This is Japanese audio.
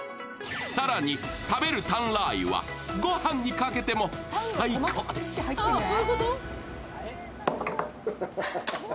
更に、食べるタンラー油は御飯にかけても最高です。